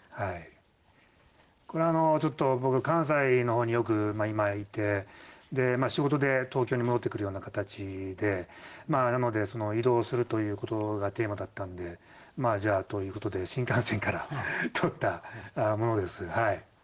これちょっと僕関西の方によく今いて仕事で東京に戻ってくるような形でなので移動するということがテーマだったんでじゃあということで新幹線から撮ったものです。